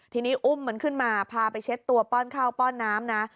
ทีนี้อุ้มมันขึ้นมาพาไปเช็ดตัวป้อนข้าวป้อนน้ำนะ